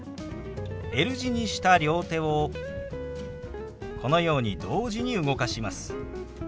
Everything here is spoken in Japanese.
Ｌ字にした両手をこのように同時に動かします。